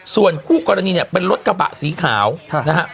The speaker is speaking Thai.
ส่วนคู่กรณีเนี่ยเป็นรถกระบะสีขาวนะฮะ